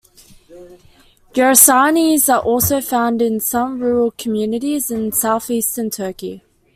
Yarsanis are also found in some rural communities in southeastern Turkey.